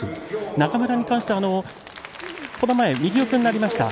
中村に関してこの間右四つになりました。